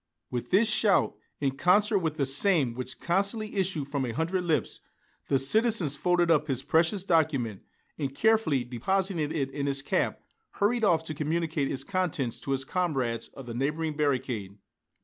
With this shout, in concert with the same which constantly issued from a hundred lips, the citizen folded up his precious document, and carefully depositing it in his cap hurried off to communicate its contents to his comrades of the neighboring barricade.